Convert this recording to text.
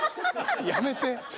やめて。